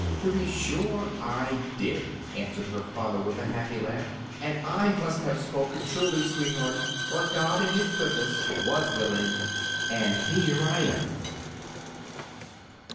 "To be sure I did," answered her father, with a happy laugh; "and I must have spoken truly, sweetheart, for God in His goodness was willing, and here I am!"